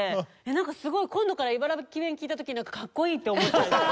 なんかすごい今度から茨城弁聞いた時なんかかっこいいって思っちゃいそう。